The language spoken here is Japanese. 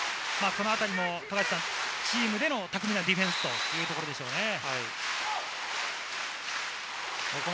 そのあたりもチームでの巧みなディフェンスというところでしょうね、富樫さん。